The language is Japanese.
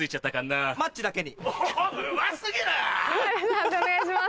判定お願いします。